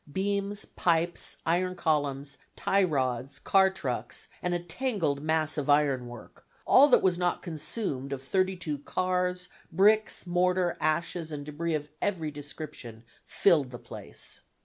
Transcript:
Beams, pipes, iron columns, tie rods, car trucks, and a tangled mass of iron work; all that was not consumed of 32 cars, bricks, mortar, ashes, and debris of every description filled the place.